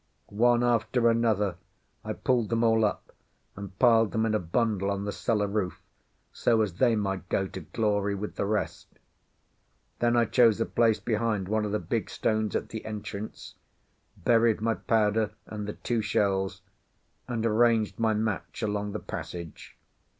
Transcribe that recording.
One after another I pulled them all up and piled them in a bundle on the cellar roof, so as they might go to glory with the rest. Then I chose a place behind one of the big stones at the entrance, buried my powder and the two shells, and arranged my match along the passage.